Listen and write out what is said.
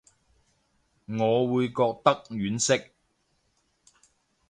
我會覺得婉惜